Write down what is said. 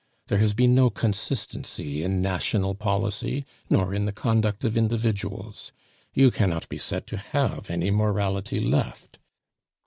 There has been no consistency in national policy, nor in the conduct of individuals. You cannot be said to have any morality left.